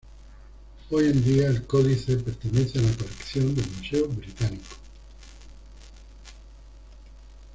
Hoy en día el códice pertenece a la colección del Museo Británico.